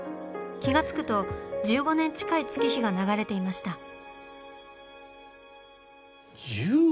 気がつくと１５年近い月日が流れていました。